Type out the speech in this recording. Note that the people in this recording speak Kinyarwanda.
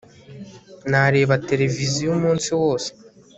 nareba televiziyo umunsi wose